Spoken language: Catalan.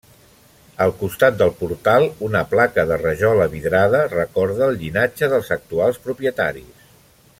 Al costat del portal, una placa de rajola vidrada recorda el llinatge dels actuals propietaris.